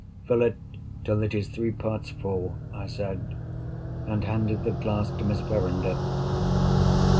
"Fill it till it is three parts full," I said, and handed the glass to Miss Verinder.